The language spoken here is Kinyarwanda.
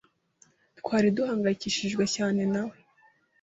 Twari duhangayikishijwe cyane nawe.